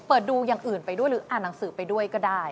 เปิดดูอย่างอื่นไปด้วยหรืออ่านหนังสือไปด้วยก็ได้